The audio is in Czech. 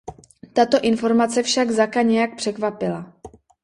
Tato informace však Zacka nijak překvapila.